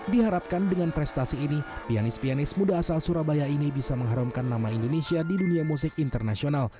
diharapkan dengan prestasi ini pianis pianis muda asal surabaya ini bisa mengharumkan nama indonesia di dunia musik internasional